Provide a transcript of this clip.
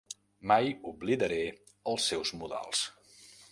Mai oblidaré els seus modals.